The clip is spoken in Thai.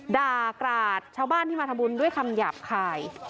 ด่ากราดชาวบ้านที่มาทำบุญด้วยคำหยาบคาย